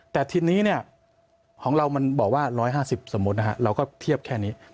แต่ทีนี้ของเรามันบอกว่า๑๕๐สมมุตินะฮะเราก็เทียบแค่นี้